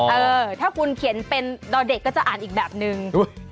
เออถ้าคุณเขียนเป็นดอเด็กก็จะอ่านอีกแบบนึง